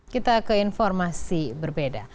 kita ke informasi berbeda